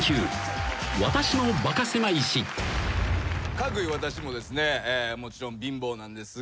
かくいう私もですねもちろん貧乏なんですが。